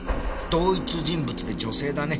同一人物で女性だね。